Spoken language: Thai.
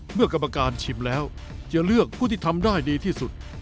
เมื่อกรรมการชิมแล้วจะเลือกผู้ที่ทำได้ดีที่สุด